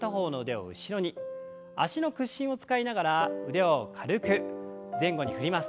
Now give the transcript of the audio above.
脚の屈伸を使いながら腕を軽く前後に振ります。